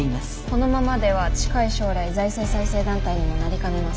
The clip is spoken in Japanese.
このままでは近い将来財政再生団体にもなりかねません。